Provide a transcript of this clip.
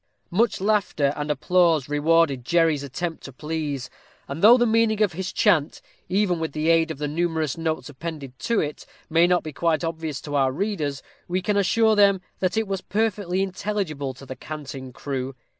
_ Much laughter and applause rewarded Jerry's attempt to please; and though the meaning of his chant, even with the aid of the numerous notes appended to it, may not be quite obvious to our readers, we can assure them that it was perfectly intelligible to the Canting Crew.